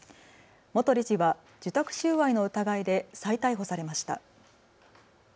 元理事は受託収賄の疑いで再逮捕されました。